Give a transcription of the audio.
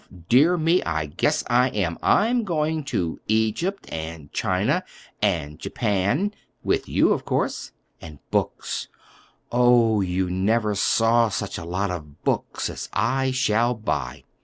Dear me, I guess I am! I'm going to Egypt, and China, and Japan—with you, of course; and books—oh, you never saw such a lot of books as I shall buy.